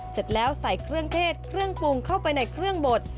เสร็จแล้วใส่เครื่องเทศเครื่องปรุงเข้าไปในเครื่องบด